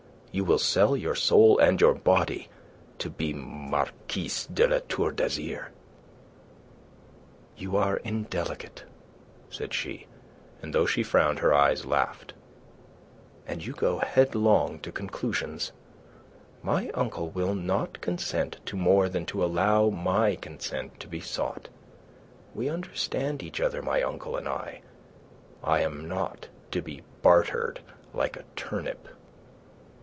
You will sell your soul and your body to be Marquise de La Tour d'Azyr." "You are indelicate," said she, and though she frowned her eyes laughed. "And you go headlong to conclusions. My uncle will not consent to more than to allow my consent to be sought. We understand each other, my uncle and I. I am not to be bartered like a turnip."